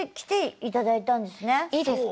いいですか？